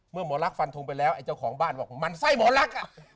เมื่อหมอลักษณ์ฟันทงไปแล้วไอ้เจ้าของบ้านบอกว่ามันไส้หมอลักษณ์อ่ะ